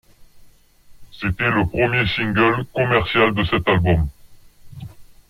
C'était le premier single commercial de cet album.